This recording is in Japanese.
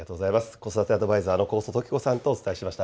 子育てアドバイザーの高祖常子さんとお伝えしました。